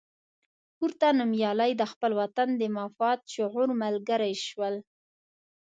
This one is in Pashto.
پورته نومیالي د خپل وطن د مفاد شعور ملګري شول.